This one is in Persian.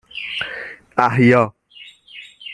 اَحیا